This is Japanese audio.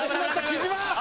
木島！